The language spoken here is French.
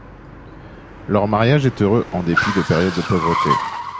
Leur mariage est heureux en dépit de périodes de pauvreté.